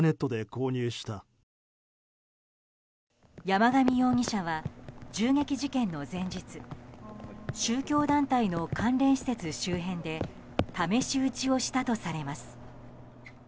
山上容疑者は銃撃事件の前日宗教団体の関連施設周辺で試し撃ちをしたとされます。